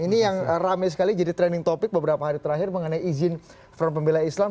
ini yang ramai sekali jadi trending topic beberapa hari terakhir mengenai izin front pembela islam